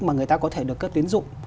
mà người ta có thể được tiến dụng